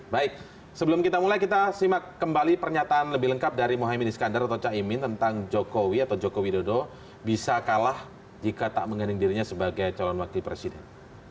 baik sebelum kita mulai kita simak kembali pernyataan lebih lengkap dari mohaimin iskandar atau caimin tentang jokowi atau jokowi dodo bisa kalah jika tak mengganding dirinya sebagai calon wakil presiden